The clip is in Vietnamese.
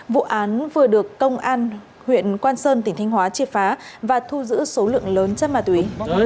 vụ án vừa được công an huyện quan sơn tỉnh thanh hóa triệt phá và thu giữ số lượng lớn chất ma túy